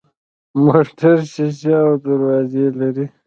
موټر شیشه او دروازې لري.